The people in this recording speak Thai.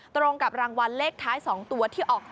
ตรงกับรางวัลเลขท้าย๒ตัวที่ออก